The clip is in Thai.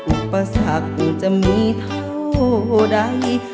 อุปสรรคจะมีเท่าใด